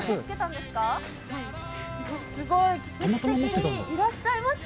すごい、奇跡的にいらっしゃいました。